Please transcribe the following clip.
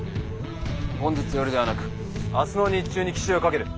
本日夜ではなく明日の日中に奇襲をかける。